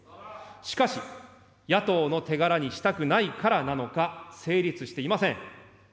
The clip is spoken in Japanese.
しかし、野党の手柄にしたくないからなのか、成立していません。